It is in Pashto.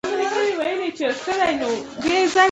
د مينې کورنۍ به تل روغتون ته تله او راتله